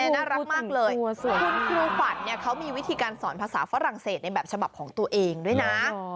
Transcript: น่ารักมากเลยคุณครูขวัญเขามีวิธีการสอนภาษาฝรั่งเศสในแบบฉบับของตัวเองด้วยนะ